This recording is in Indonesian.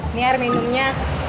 ini air minumnya